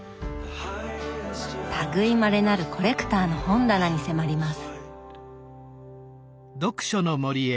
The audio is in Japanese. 類いまれなるコレクターの本棚に迫ります！